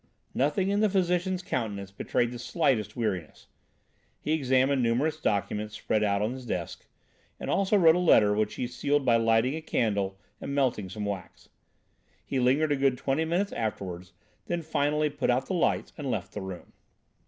Nothing in the physician's countenance betrayed the slightest weariness. He examined numerous documents spread out on the desk, and also wrote a letter which he sealed by lighting a candle and melting some wax. He lingered a good twenty minutes afterwards, then finally put out the lights and left the room.